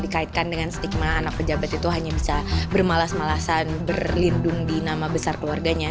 dikaitkan dengan stigma anak pejabat itu hanya bisa bermalas malasan berlindung di nama besar keluarganya